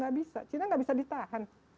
tidak bisa china tidak bisa ditahan